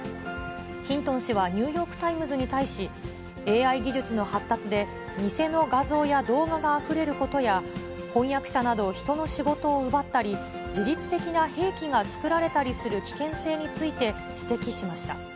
ヒントン氏はニューヨークタイムズに対し、ＡＩ技術の発達で、偽の画像や動画があふれることや、翻訳者など人の仕事を奪ったり、自律的な兵器が作られたりする危険性について指摘しました。